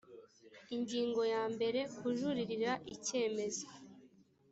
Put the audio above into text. ingingo ya mbere kujuririra icyemezo